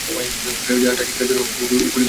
জাহাজটা শিকারের জন্য উপযুক্ত নয়, আর না আপনি।